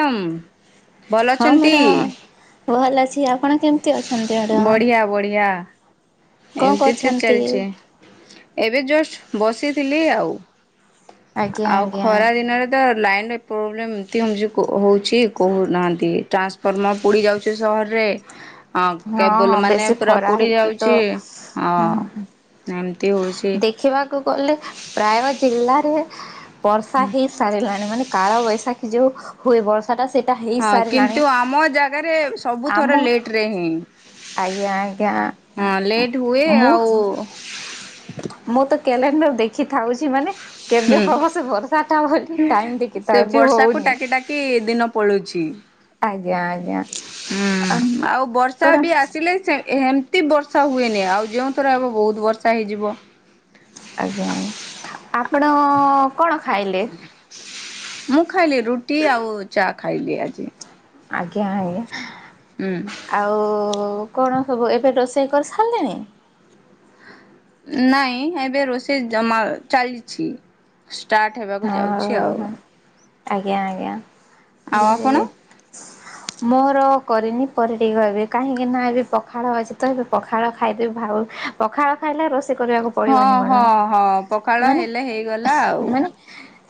ହୁଁ ଭଲ ଅଛନ୍ତି? ତିଆ ଆପଣ କେମତି ଅଛନ୍ତି ମେଡ଼ମ୍? ବଢିଆ ବଢିଆ କଁ ଏମିତି ତ କରଛନ୍ତି? ଚାଲିଛି। ଏବେ ଜଷ୍ଟ ବସିଥିଲି ଆଉ। ଆଜ୍ଞା ଆଉ ଆଜ୍ଞା ଖରା ଦିନରେ ତ ଲାଇନ ପ୍ରୋବ୍ଲେମ୍ ଏତେ ହୋଉଚି କୋହୁଛି କୋହୁନାହାନ୍ତି ଟ୍ରାନ୍ସଫର୍ମର ପୋଡ଼ି ଯାଉଚି ସହରରେ। ହଁ ହଁ କେବୁଲମାନେ ବେଶୀ ପୁରା ଖରା ପୋଡ଼ି ହେଇକି ତ ଯାଉଚି। ହଁ ଏମ୍ ଦେଖିବାକୁ ଗଲେ ପ୍ରାୟ ଜିଲ୍ଲାରେ ବର୍ଷା ହେଇ ସାରିଲାଣି ମାନେ କାଳ ବୈଶା ଯୋଉ ହୁଏ ବର୍ ହଁ କିନ୍ତୁ ଆମ ଜାଗାରେ ସବୁ ଆମ ଥର ଲେଟରେ ହିଁ ଆଜ୍ଞା ଆଜ୍ଞା ହଁ ଲେଟ ହୁଏ ମୁଁ ଆଉ ମୁଁ ତ କ୍ୟାଲେଣ୍ଡଣ୍ଡାର ଦେ ଖି ଥାଉଛି ମାନେ କେବେ ହୁଁ। ହବ ସେ ବର୍ଷାଟା ବୋଲି ଟାଇମ ସେ ଟଦେଖିଥାଉଚି ବର୍ଷାକୁ ହୋଉନି। ଟାକି ଟାକି ଦିନ ପଳଉଛି। ହୁଁ ଆଉ ବର୍ଷା କଣ ବି ଆସିଲେ ସେ ଏ ହେମତି ବର୍ଷା ହୁଏନି ଆଉ ଯେଉଁ ଥର ହବ ବୋହୁତ ବର୍ଷା ହେଇଯିବ। ଆଜ୍ଞା ଆପଣ କଣ ଖାଇଲେ? ମୁଁ ଖାଇଲି ରୁଟି ଆଉ ଚା ଖାଇଲି ଆଜି। ଆଗିଆଁ ଆଗିଆଁ। ହୁଁ ଆଉ କଣ ସବୁ ଏବେ ରୋଷେଇ କରସାରଲେଣି? ନାଇଁ ଏବେ ରୋଷେଇ ଜମା ଚାଲିଚି। ଷ୍ଟାର୍ଟ ହଁ ହେବାକୁ ଯାଉଛି ଆଉ। ହଁ ଆଜ୍ଞା ଆଜ୍ଞା। ଆଉ ଆପଣ [unintelligible] ମୋର କରିନି ପରେ ଟିକେ କହିବେ କାହିଁକି ନା ଏବେ ପଖାଳ ଅଛି ତ ଏବେ ପଖାଳ ଖାଇଦବି ଭାଉ ପଖାଳ ଖାଇଲେ ରୋଷେଇ କରିବାକୁ ହଁ ପଡ଼ିବନି ହଁ ମ୍ୟାଡ଼ାମ ହଁ ପଖାଳ ମାନେ ହେଲେ ହେଇଗଲା ଆଉ। ମାନେ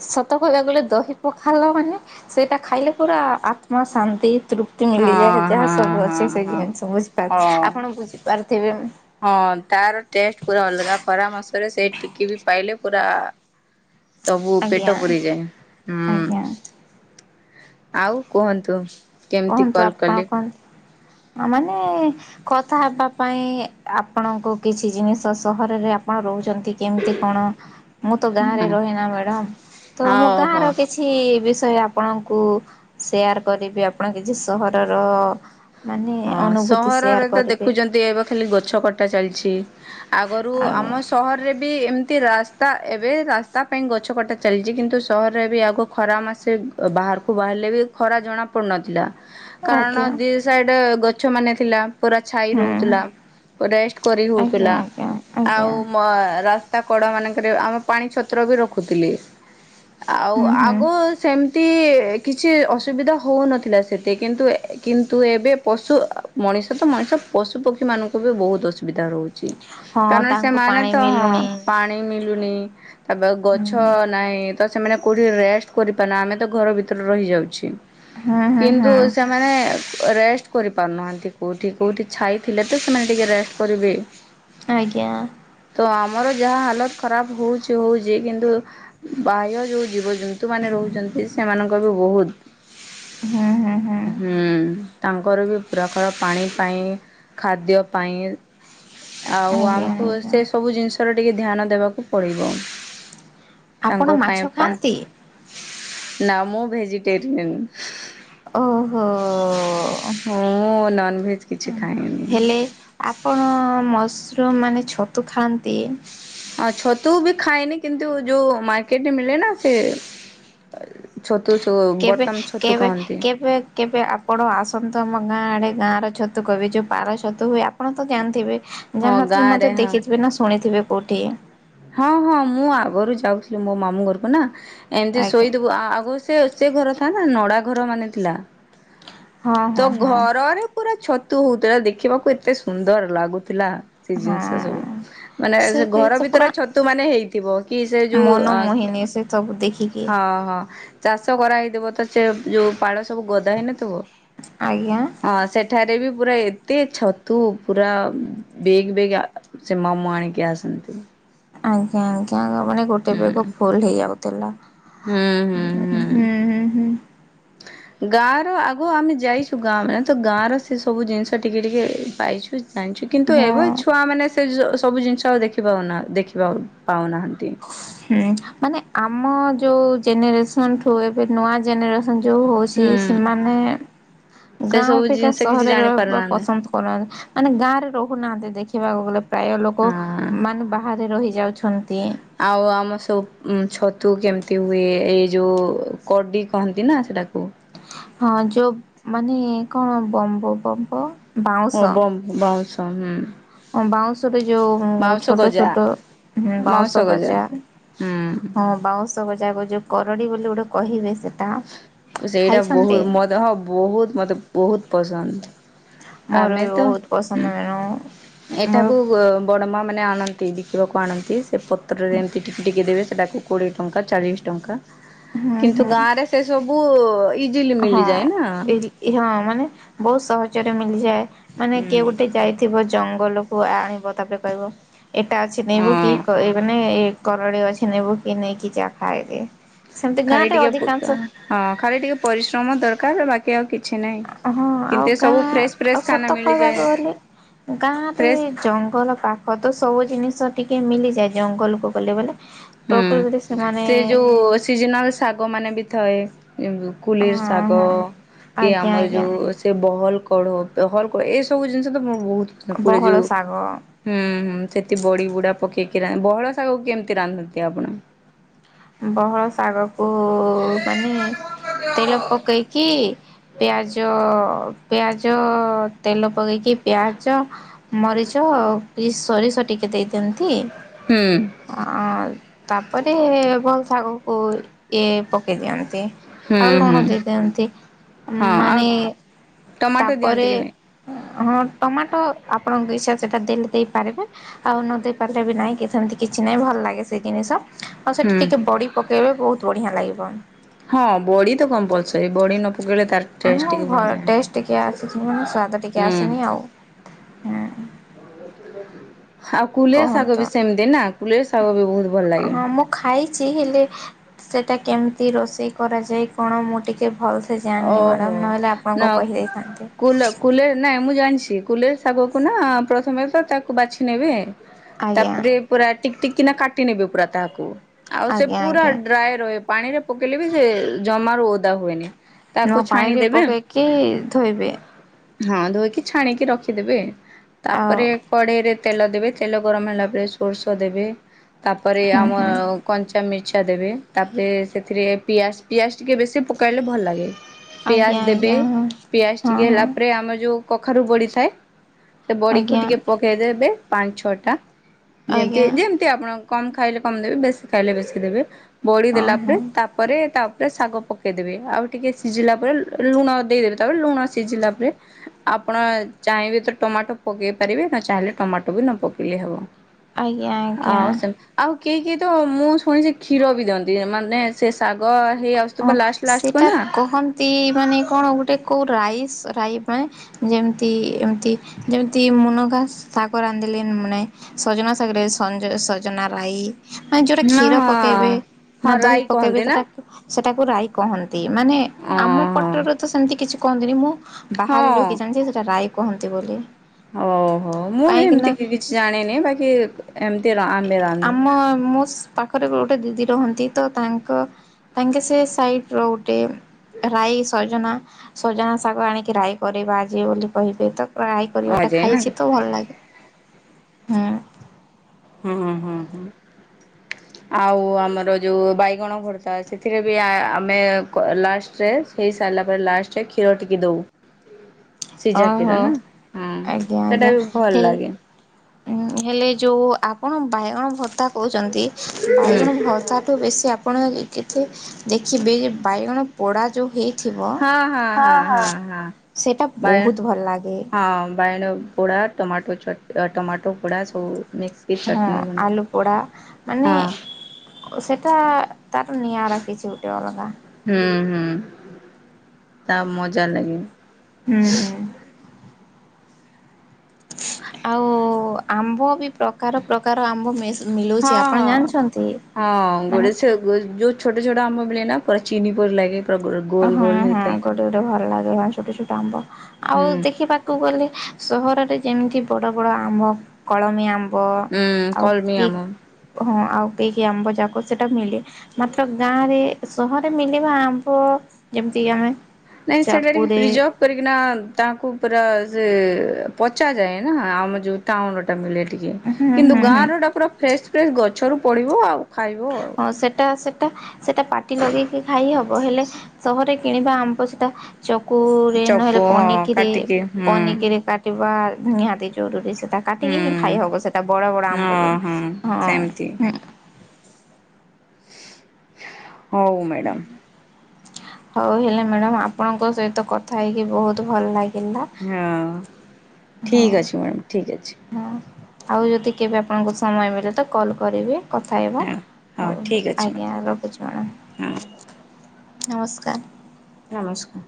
ସତ କହିବାକୁ ଗଲେ ଦହି ପଖାଳ ମାନେ ସେଇଟା ଖାଇଲେ ପୁରା ଆତ୍ମା ଶାନ୍ତି। ତୃପ୍ତି ମିଳିଯାଏ ହଁ ଯାହା ହଁ ସବୁ ଅଛି ହଁ ସେ ହଁ ଜିନିଷ ବୁଝିପାର ହଁ ଆପଣ ବୁଝିପାରୁଥିବେ ହଁ ତାର ଟେଷ୍ଟ ପୁରା ଅଲଗା ପରାମର୍ଶରେ ସେ ଟିକି ବି ପାଇଲେ ପୁରା ତବୁ ଆଜ୍ଞା ପେଟ ପୁୁର ଯାଏ ହୁଁ। ଆଜ୍ଞା ଆଉ କୁହନ୍ତୁ? କେମିତି କୁହନ୍ତୁ କଲ୍ ଆପଣ କଲି? କୁହନ୍ତୁ ମାନେ କଥା ହେବା ପାଇଁ ଆପଣଙ୍କୁ କିଛି ଜିନିଷ ସହରରେ ଆପଣ ରହୁ ଛନ୍ତି କେମତି କଣ ମୁଁ ତ ଗାଁରେ ହଁ ରହେ ନା ମ୍ୟାଡମ୍ ତ ମୁଁ ହଁ ଗାଁର ହୋ କିଛି ବି ଆପଣଙ୍କୁ ସେୟାର କରିବି। ଆପଣ କିଛି ସହରର ମାନେ ହଁ ଅନୁଭୂତି ସେୟାର ସହରରେ ତ କରିବେ ଦେଖୁଛନ୍ତି ଏବେ ଖାଲି ଗଛ କଟା ଚାଲିଛି। ଆଗରୁ ଆଜ୍ଞା ଆମ ସହରରେ ବି ବି ଏମିତି ରାସ୍ତା ଏବେ ରାସ୍ତା ପାଇଁ ଗଛ କଟା ଚାଲିଛି କିନ୍ତୁ ସହରରେ ଏ ବି ଆଗ ଖରା ମାସେ ବାହାରକୁ ବାହାରିଲେ ବି ଖରା ଜଣାପଡ଼ୁନଥିଲା। କାରଣ ଆଜ୍ଞା ଦି ସାଇଡ କେତେ ଗଛ ମାନେ ଥିଲା। ପୁରା ଛାଇ ହୁଁ ରହୁଥିଲା ରେଷ୍ଟ କରି ଆଜ୍ଞା ହେଉଥିଲା ଆଜ୍ଞା ଆଜ୍ଞା ଆଉ ମ ରାସ୍ତା ତା କଡ ମାନଙ୍କରେ ଆମେ ପାଣି ଛତ୍ର ବି ରଖୁଥିଲେ। ଆଉ ହୁଁ ହୁଁ ଆଗ ସେମ କିଛି ଅସୁବିଧା ହଉନଥିଲା ସେତେ କିନ୍ତୁ କିନ୍ତୁ ଏବେ ଟିକ୍ ପଶୁ ମଣିଷ ତ ମଣିଷ ପଶୁ ପକ୍ଷୀ ମାନଙ୍କୁ ବି ବହୁତ ଅସୁବିଧା ରହୁଛି। ହଁ କାରଣ ତାଙ୍କୁ ସେମାନେ ପାଣି ତ ହଁ ମିଳୁନି ପାଣି ମି ମିଲୁଣି ତା [unintelligible] ଗଛ ହୁଁ ନାହିଁ। ତ ସେମାନେ କେଉଁଠି ରେଷ୍ଟ କରିପାରୁନା ଆମେ ତ ଘର ଭିତରେ ରହିଯାଉଛେ। ହୁଁ ହୁଁ କିନ୍ତୁ ହୁଁ ସେମାନେ ରେଷ୍ଟ କରିପାରୁନାହାନ୍ତି କୋଉଠି କୋଉଠି ଛାଇଥିଲେ ତ ସେମାନେ ଟିକେ ରେଷ୍ଟ କରିବେ ଆଜ୍ଞା ତ ଆମ ଆମର ଯାହା ହାଲତ ଖରାପ ହଉଛି ହଉଛି କିନ୍ତୁ ବାହ୍ୟ ଯୋଉ ଜୀବ ଯେନ୍ତୁମାନେ ରହୁଛନ୍ତି ସେମାନଙ୍କ ବି ବହୁତ ହୁଁ ହୁଁ ହୁଁ। ଘର ବି ପୁରା ଘର ପାଣି ପାଇଁ ଖାଦ୍ୟ ପାଇଁ। ଆଉ ଆଜ୍ଞା ଆମକୁ ଆଜ୍ଞା ସେ ସବୁ ଜିନିଷ ତର ଟିକେ ଧ୍ୟାନ ଦେବାକୁ ପଡିବ। ଆପଣ ମାଛ ଖାଆନ୍ତି? ନାଁ ମୁଁ ଭେଜିଟେରିୟନ୍। ଓହୋ ଓ-ଓ-ଓ। ମୁଁ ଉ-ଉ ନନଭେଜ୍ କିଛି ଖାଏନି। ହେଲେ ଆପଣ ମସରୁମ୍ ମାନେ ଛତୁ ଖାଆନ୍ତି? ହଁ ଛତୁ ବି ଖାଏନି କିନ୍ତୁ ଯୋ ମାର୍କେଟରେ ମିଳେ ନା ସେ ଏ ଛ କେବେ କେବେ କେବେ କେବେ ଆପଣ ଆସନ୍ତୁ ଆମ ଗାଁ ଆଡେ ଗାଁ ର ଛତୁ କହିବେ ଯଉ ପାଳ ଛତୁ ହୁଏ ଆ ଆପଣ ତ ଜାଣିଥିବେ। ହଁ ଜାଣିନଥିଲେ ଗାଁରେ ମଧ୍ୟ ହଁ ଦେଖିଥିବେ ନା ଶୁଣିଥିବେ ପୋଠିଏ ହଁ ହଁ ମୁଁ ଆଗରୁ ଯାଉଥିଲି ମୋ ମାମୁଁ ଘରକୁ ନା। ଏମିତି ଆଜ୍ଞା ଶୋଇଦବୁ ଆ ଆଗୁ ସେ ସେ ଘର ଥା ନା ନଡା ଘର ମାନେ ଥିଲା। ହଁ ତୋ ହଁ ହଁ ଘରରେ ପୁରା ଛ ତୁ ତୋରା ଦେଖିବାକୁ ଏତେ ସୁନ୍ଦର ଲାଗୁଥିଲା। ସେ ହଁ। ଜିନିଷ ସବୁ ମାନେ ସେ ଘର ବି ତୋର ଛତୁ ମାନେ ହେଇଥିବ କି ସେ ଯୋଉ ମନ ହଁ ମୋହିନି ସେ ସବୁ ଦେଖିକି ହଁ। ଚାଷ କରାହେଇଥିବ ତ ସେ ଯେଉଁ ପାଳ ସବୁ ଗଦା ହେଇନଥିବ। ଆଜ୍ଞା। ହଁ ସେଠାରେ ବି ପୁରା ଏତେ ଛତୁ ପୁରା ବେଗ୍ ବେଗ୍ ଆ ସେ ମାମୁ ଆଣିକି ଆସନ୍ତି। ଆଜ୍ଞା ଆଜ୍ଞା ଗ ପୁଣି ଗୋଟେ ହୁଁ ବେଗ ଫୁଲ ହେଇଯାଉ ତେଲ ହୁଁ ହୁଁ ହୁଁ। ହୁଁ ଗାଁ ର ଆଗ ଆମେ ଯାଇଛୁ ଗାଁ ମାନେ ତ ଗାଁର ସେ ସବୁ ଜିନିଷ ଟିକେ ଟିକେ ପାଇଛୁ। ଜାଣିଛୁ କିନ୍ତୁ ହଁ ଏବେ ଛୁଆ ମାନେ ସେ ଯ ସବୁ ଜିନିଷ ଆଉ ଦେଖିପାରୁନା ଦେଖିବା ପାଉନାହା ହୁଁ ମାନେ ଆମ ଯୋଉ ଜେନରେସନ୍ ଠୁ ଏବେ ନୂଆ ଜେନରେ ସନ୍ ଯୋଉ ହଉଛି ହୁଁ ସେମାନେ ସେ ଗାଁ ସବୁ ଅପେକ୍ଷା ଜିନିଷ କିଛି ସହରରେ ଜାଣି ରହିବା ପାରୁନାହାନ୍ତି ପସନ୍ଦ କରନ୍। ମାନେ ଗାଁରେ ରହୁନାହାନ୍ତି ଦେଖି କିିବା ଆଉ ଗଲେ। ପ୍ରାୟ ଲୋକ ହଁ। ମାନେ ବାହାରେ ରହି ଯାଉଛନ୍ତି ଆଉ ଆମ ସବୁ ଛତୁ କେମତି ହୁଏ ଏଇ ଯୋଉ କଡି କହନ୍ତି ନାଁ ସେଟାକୁ। ହଁ ଯୋଉ ମାନେ କଣ ବମ୍ବ ବମ୍ବ ହଁ ବମ୍ ବାଉଁଶ୍ ତ ହୁଁ‌। ହଁ ବାଉଁଶରେ ଯୋଉ ଛୋଟ ଗଜା ଛୋଟ ହୁଁ ବାଉଁଶ ଗଜା ହଁ ହୁଁ ବାଉଁଶ ଗଜା ଗ ଯୋଉ କରଡି ବୋଲି ଗୋଟେ କହିବେ ସେ ସେଇଟା ବୋହୁ ମ ଦେହ ବୋହୁତ ମତେ ବୋହୁତ ପସନ୍ଦ ମୋର ଆମେ ବି ତ ବୋହୁତ ହୁଁ। ପସନ୍ଦ ମେଣୁ ଏଠାକୁ ଅ ବଡମା ମାନେ ଆଣନ୍ତି ବିକିବାକୁ ଆଣନ୍ତି। ଏ ପତ୍ରରେ ଏମିତି ଟିକେ ଟିକେ ଦେରେ ସେଟାକୁ କୋଡ଼ିଏ ଟଙ୍କା ଚାଳିଶ ଟଙ୍କା ହୁଁ କିନ୍ତୁ ହୁଁ ଗାଁରେ ସେ ସବୁ ଓ ଇ ହଁ ହଁ ଏଇ ଜି ହଁ ମାନେ ବୋହୁତ ସହ ଜରେ ମି ଯାଏ ମାନେ କିଏ ଗୋଟେ ଯାଇଥିବ ଜଙ୍ଗଲକୁ ଆଣିବ ତାପରେ କହିବ ଏଇଟା ଅଛି ନେବୁ କି ହଁ କ ଏ ମାନେ କରଡ଼ି ଅଛି ନେବୁ କି ନେଇକି ଯା ଖାଇଦେ। ସେମିତି ଖାଲି ଗାଁରେ ଟିକେ ଫୁଟଣ ଅଧିକାଂଶ ହଁ ଖାଲି ଟିକେ ପରିଶ୍ରମ ଦରକାର ବାକି ଆଉ କି ହଁ ଆଉ ଗାଁ ଆଉ ଫ୍ରେଶ୍ ଖାନା ସତ ମିଳିଯାଏ କହିବାକୁ ଗଲେ ଗାଁରେ ଫ୍ରେଶ୍ ଜଙ୍ଗଲ ପାଖ ତ ସବୁ ଜିନିଷ ଟିକେ ମିଲିଯାଏ ଜଙ୍ଗଲକୁ ଗଲେ ବଲେ ହୁଁ ସେ ଯୋଉ ସିଜନାଲ ଶାଗ ମାନେ ବି ଥାଏ। ଉଁ କୁଲେର ହଁ ଶାଗ ହଁ କି ଆଜ୍ଞା ଆମର ଆଜ୍ଞା ଯୋଉ ସେ ବହଲ୍ କଡ଼ ବେହଲକ ଏ ସବୁ ଜିନିଷ ତ ବୋହୁତ ସା ପୁରା ବହଳ ଯୋଉ ଶାଗ ହୁଁ ହୁଁ ସେଠୀ ବଡ଼ି ବୁଡା ପକେଇ କିରା ଏରା ବହଳ ଶାଗକୁ କେମିତି ରାନ୍ଧ କଆପଣ ବହଳ ଶାଗ ଓ ମାନେ ତେଲ ପକେଇକି ପିଆଜ ପିଆଜ ତେଲ ପକେଇକି ପିଆଜ ମରିଚ ଆଉ ପି ସୋରିଷ। ତ ଟିକେ ଦେଇଦିଅନ୍ତି। ହୁଁ ହ ତାପରେ ଭଲ ଶାଗକୁ ଇଏ ପକେଇ ଦିଅନ୍ତି। ହୁଁ ଆଉ ଲୁଣ ହୁଁ ଦେଇ ଦିଅନ୍ତି ହଁ ଆଉ ମାନେ ଟମାଟୋ ଦିଅନ୍ତି ତାପରେ କି ନାଇଁ? ହଁ ଟମାଟୋ ଆପଣଙ୍କ ଇଛା। ସେଇଟା ଦେଲେ ଦେଇପାରିବେ ଆଉ ନ ଦେଇ ପାରିଲେ ବି ନାହିଁ କି ସେମିତି କିଛି ନାହିଁ ଭଲ ଲାଗେ ସେ ଜିନିଷ। ଆଉ ସେଠି ହୁଁ ଟିକେ ବଡ଼ି ପକେଇବେ ବହୁତ ବଢ଼ିଆ ଲାଗିବ। କ ହଁ ବଡି ତ କମ୍ପଲସରୀ। ବଡି ନ ପକେଇଲେ ତାର ଆ ଟେଷ୍ଟ ଟିକେ ଭଲ ନାହିଁ। ଟେଷ୍ଟ ଟିକେ ଆସିଛି ମାନେ ସ୍ଵାଦ ଟିକେ ହୁଁ ଆସିନି ଆଉ ହଁ। ଆଉ କୁଲେର ଶାଗ ବି ସେମିତି ନା। କୁଲେର ଶାଗ ବି ବହୁତ ଭଲ ଲାଗେ। ହଁ ମୁଁ ଖାଇଛି ହେଲେ ସେଟା କେମତି ତି ରୋଷେଇ କରାଯାଏ କଣ ମୁଁ ଟିକେ ଭଲ ଓହୋ ନା କହିଦେଇଥାନ୍ତି। କୁଲ କୁଲେ ନାଇଁ ମୁଁ ଜାଣିଛି। କୁଲେଲ ଶାଗ କୁ ନା ପ୍ରଥମେ ତ ତାକୁ ବାଛି ନେବେ ଆଜ୍ଞା ତାପରେ ପୁରା ଟିକ ଟିକ କିନା କାଟି ନେବେ ପୁରା ତାହାକୁ। ଆଉ ସେ ଆଜ୍ଞା ପୁରା ଆଜ୍ଞା ଡ୍ରାଏ ରହି ପାଣିରେ ପକେଇଲେ ବି ସେ ଜମାରୁ ଓଦା ହୁଏନି। ତାକୁ ନୂଆ ପାଣିରେ ଛାଣିଦେବେ ପକେଇକି ଧୋଇବେ। ହଁ ଧୋଇକି ଛାଣିକି ରଖିଦେବେ। ଆଉ ତାପରେ କଢେଇରେ ତେଲ ଦେବେ ତେଲ ଗରମ ହେଲା ପରେ ସୋରିଷ ଦେବେ। ତାପରେ ହୁଁ ଆମ ହୁଁ କଞ୍ଚା କଞ୍ଚା ମିର୍ଚା ଦେବେ ତାପରେ ସେଥିରେ ପିଆଜ ପିଆଜ ଟିକେ ବେଶୀ ପକାଇଲେ ଭଲ ଲାଗେ। ପିଆଜ ଆଜ୍ଞା ଦେବେ ଆଜ୍ଞା ହଁ। ପିଆଜ ହଁ ଟିକେ ହଁ ହେଲା ପରେ ଆମର ଯୋଉ କଖାରୁ ବଡ଼ିଥାଏ ସେ ବଡିକୁ ଆଜ୍ଞା ଟିକେ ପକେଇଦେବେ। ପାଞ୍ଚ ଛଅଟା ଯେମିତି ଆଜ୍ଞା ଯେମିତି ଆପଣ କମ୍ ଖାଇଲେ କମ୍ ଦେବେ ବେଶୀ ଖାଇଲେ ବେଶୀ ଦେବେ ବଡ଼ି ହଁ ଦେଲାପରେ ହଁ ତାପରେ ତା ରେ ଶାଗ ପକେଇଦେବେ ଆଉ ଟିକେ ସିଝିଲା ପରେ ଲୁ-ଲୁ ଲୁଣ ଦେଇଦେବେ। ତାପରେ ଲୁଣ ସିଝିଲା ପରେ ଆପଣ ଚାହିଁବେ ତ ଟମାଟୋ ପକେଇ ପାରିବେ ନ ଚାହିଁଲେ ଟମାଟୋ ବି ନ ପକେଇଲେ ହେବ। ଆଜ୍ଞା ଆ ଆଜ୍ଞା। ସେମ୍ ଆଉ କେହି କି ତ ମୁଁ ଶୁଣିଚି ସେ କ୍ଷୀର ବି ଦିଅନ୍ତି ମାନେ ସେ ଶାଗ ହେଇ ଆସୁଥିବ ଲାଷ୍ଟ୍ ଲାଷ୍ଟ୍ କୁ ନା ଏମତି ମାନେ କଣ ଗୋଟେ କୋଉ ରାଇସ୍ ରାଇ ପାଇଁ ଯେମିତି ଏମିତି ଯେମିତି ମୁନଗା ଶାଗ ରାନ୍ଧିଲେ ମାନେ ସଜନା ଶାଗରେ ସଜ ସଜନା ରାଇ ମାନ ଯୋଉଟା କ୍ଷୀର ପକେଇବେ ହଁ ନା ହଁ ଦହି ରାଇ ପକେଇବେ କହନ୍ତି ନା? ସେଟା ସେଟାକୁ ରାଇ କହନ୍ ନ୍ତି ମାନେ ଓ ଆମ ପଟରେ ତ ସେମିତି କିଛି କୁହନ୍ତିନି ମୁଁ ହଁ ବାହାରେ ହଁ ରହିକି ଜାଣିଚି ସେଟା ରାଇ କୁହନ୍ତି ବୋଲି ଓହୋ ମୁଁ କାହିଁକି ଏମିତି ନା କିଛି ଜାଣିନି ବାକି ଏମିତି ଆମେ ରାନ୍ଧୁ। ଆମ ମୋ ପାଖରେ ଗୋଟେ ଦିଦି ରହନ୍ତି ତ ତାଙ୍କ ତାଙ୍କେ ସେ ସାଇଡ୍ ର ଗୋଟେ ରାଇ ସଜନା, ସଜନା ଶାଗ ଆଣିକି ରାଇ କରେଇବା ଆଜି ବୋଲି କହିବେ ତ ରାଇ କରିବାଟା ଅଜୟ ନା ଖାଇଛି ତ ଭଲ ଲାଗେ ହଁ। ହୁଁ ହୁଁ ହୁଁ ହୁଁ ଆଉ ଆମର ଯୋଉ ବାଇଗଣ ଭରତା ସେଥିରେ ବି ଆ-ଆ ଆମେ ଲାଷ୍ଟରେ ହେଇ ସାରିଲା ପରେ ଲାଷ୍ଟରେ କ୍ଷୀର ଟିକେ ଦଉ ସିଝା କ୍ଷୀର ଓହୋ ନା ହଁ ସେଟା ବି ଭଲ ଲାଗେ। ଉଁ ହେଲେ ଯୋଉ ଆପଣ ବାଇଗଣ ଭରତା କହୁଛନ୍ତି ହୁଁ। ବାଇଗଣ ଭର୍ତ୍ତାଠୁ ବେଶୀ ଆପଣ ଯଦି କିଛି ଦେଖିବେ ଯେ ବାଇଗଣ ପୋଡ଼ା ଯୋଉ ହେ ଥିବ ହଁ ହଁ ହଁ ହଁ ହଁ ସେଟା ବା ବହୁତ ଭଲ ଲାଗେ। ହଁ ବାଇଣ ପୋଡ଼ା ଟମାଟୋ ଚଟ୍ ଟମାଟୋ ପୋଡ଼ା ସବୁ ମିକ୍ସିକି ହଁ ଚଟଣି ବନେଇ ଆଲୁ ପୋଡ଼ା ମାନେ ହଁ ଓ ସେଇଟା ତାର ନିଆରା କିଛି ଗୋଟେ ଅଲଗା। ହୁଁ ହୁଁ ତା ମଜା ଲାଗେ। ହୁଁ ହୁଁ। ଆଉ ଆମ୍ବ ବି ପ୍ରକାର ପ୍ରକାର ଆମ୍ବ ମିଶ ହଁ ହଁ ହଁ ମାନେ ଗୋଟେ ସେ ଯୋଉ ଛୋଟ ଛୋଟ ଆମ୍ବ ମ୍ବ ମିଳେ ନା ପୁରା ଚିନି ପରି ଲାଗେ ପୁରା ଗୋଲ ଓ ହଁ ଗୋଲ ହଁ ହେଇଥାଏ। ଗୋଟେ ଗୋଟେ ଭଲ ଲାଗେ ଛୋଟ ଛୋଟ ଆମ୍ବ। ଆଉ ହୁଁ ଦେଖିବାକୁ ଗଲେ ସହରରେ ଯେମିତି ବଡ ବଡ ଆମ୍ବ କଳମୀ ଆମ୍ବ ମ୍ବ ହୁଁ ଆଉ କଲମି କି ଆମ୍ବ। ହଁ ଆଉ କେହି ଆମ୍ବ ଯାକ ସେଇଟା ମିଳେ ମାତ୍ର ଗାଁ ରେ ସହରେ ମିଳେବା ଆମ୍ବ ଯେମିତିକି ଆମେ ନାଇଁ ସେଇଟା ଟିକେ ଚାକୁରେ ପ୍ରିଜପ କରିକିନା ତାଙ୍କୁ ପୁରା ସେ ପଚାଯାଏ ନା ଆମ ଯୋଉ ଟାଉନରେ ଟା ମିଳେ ଟିକେ ହୁଁ କିନ୍ତୁ ହୁଁ ହୁଁ ଗାଁରୁ ଏଟାପୁରା ଫ୍ରେସ ଫ୍ରେସ ଗଛ ଗଛରୁ ପଡ଼ିବ ଆଉ ଖାଇବୁ ଆଉ ତ ସେଟା ପାଟି ଲଗେଇକି ଖାଇ ହବ ହେଲେ ସହରେ କିଣିବା ଆମ୍ବ ସେଟା ଚକୁ ରେ ଚକୁ ନହେଲେ ହଁ ପନିକିରେ କାଟିକି ହୁଁ ପନିକିରେ କାଟିବା ନିହାତିି ଜରୁରୀ ସେ ସେଟା ହୁଁ। କାଟିକି ହିଁ ଖାଇ ହବ ସେଟା ବଡ ବଡ ଆମ୍ବ ହଁ ଜଉ ହଁ ସେମିତି ହଁଁ ହଉ ମ୍ୟାଡ଼ମ୍। ହଉ ହେଲା ମ୍ୟାଡାାମ ଆପଣଙ୍କ ସହିତ କଥା ହେଇକି ବହୁତ ଭଲ ଲାଗି ହଁ ହଉ ଠିକ ଅଛି ମ୍ୟାଡ଼ାମ ଠିକ୍ ଅଛି। ହଁ ଆଉ ଯଦି କେବେ ଆପଣଙ୍କୁ ସମୟ ମିଳେ ତ କଲ କରିବେ। କଥା ହେବା ହଁ ହଉ ହୋଉ ଠିକ୍ ଅଛି ଆଜ୍ଞା ରଖୁଛି ମଡ଼ାମ୍। ମ୍ୟାମ୍ ନମସ୍କାର। ନମସ୍କାର।